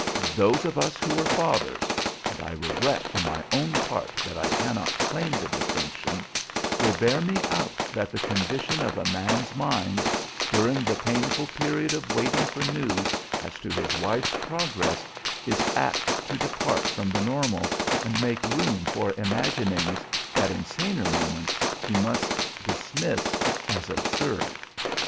"Those of us who are fathers and I regret for my own part that I cannot claim the distinction will bear me out that the condition of a man's mind during the painful period of waiting for news as to his wife's progress is apt to depart from the normal and make room for imaginings that in saner moments he must dismiss as absurd.